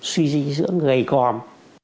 suy dinh dưỡng gầy còm